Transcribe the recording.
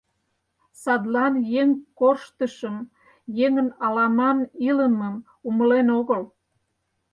Садлан еҥ корштышым, еҥын аламан илымым умылен огыл.